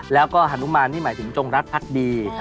แล้วก็ฮานุมานนี่หมายถึงจงรักพักดี